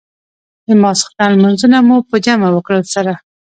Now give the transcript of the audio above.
د ماخستن لمونځونه مو په جمع سره وکړل.